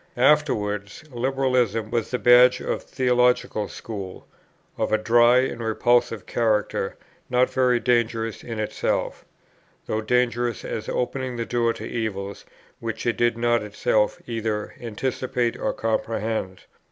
Afterwards, Liberalism was the badge of a theological school, of a dry and repulsive character, not very dangerous in itself, though dangerous as opening the door to evils which it did not itself either anticipate or comprehend.